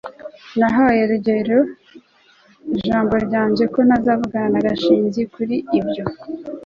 nahaye rugeyo ijambo ryanjye ko ntazavugana na gashinzi kuri ibyo